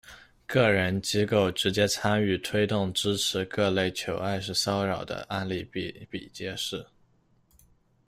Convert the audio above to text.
个人、机构直接参与、推动、支持各类“求爱式”骚扰的案例比比皆是。